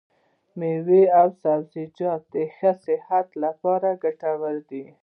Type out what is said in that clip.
مېوې او سبزيان د ښه صحت لپاره ګټور دي.